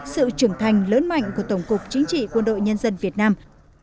sự trưởng thành lớn mạnh của tổng cục chính trị quân đội nhân dân việt nam